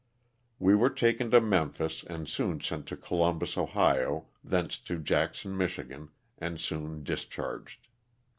We were taken to Memphis, and soon sent to Columbus, Ohio, thence to Jackson, Mich., and soon discharged.